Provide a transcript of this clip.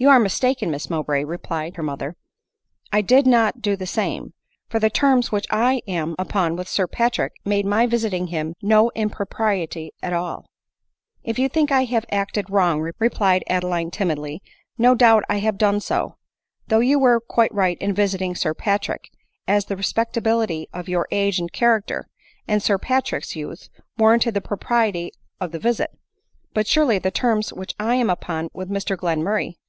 You are mistaken, Miss Mowbray," replied her mother ;" I did not do the same ; for the terms which I am upon with Sir Patrick made my visiting him no im propriety at all." " If you think I have acted wrong," replied Adeline timidly, " no doubt I have done so ; though you were quite right in visiting Sir Patrick, as tliQ respectability of your age and character, and Sir Patrick's youth, war ranted the propriety of the visit ; but surely the terms which I am upon with Mr Glenmurray " ADELINE MOWBRAY.